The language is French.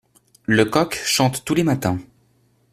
Le coq chante tous les matins.